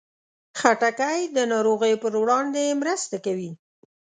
خټکی د ناروغیو پر وړاندې مرسته کوي.